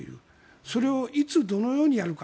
それをいつどのようにやるのか。